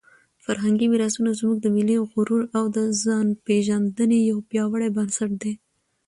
فرهنګي میراثونه زموږ د ملي غرور او د ځانپېژندنې یو پیاوړی بنسټ دی.